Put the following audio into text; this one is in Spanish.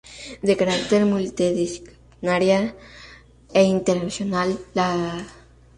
De carácter multidisciplinaria e internacional, la asociación se dedica a la investigación en psicoterapia.